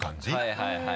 はいはい。